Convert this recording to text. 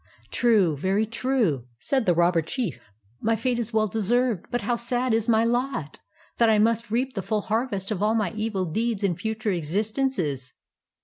"True, very true," said the robber chief, "my fate is well deserved; but how sad is my lot, that I must reap the full hars est of all my e\'il deeds in future existences!